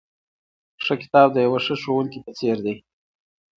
ښه کتاب د یوه ښه ښوونکي په څېر دی.